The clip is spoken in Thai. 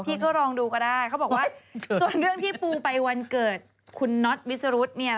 ที่ก็ลองดูก็ได้เขาบอกว่าส่วนเรื่องที่ปูไปวันเกิดคุณน็อตวิสรุธเนี่ย